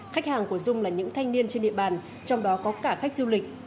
khách hàng của dung là những thanh niên trên địa bàn trong đó có cả khách du lịch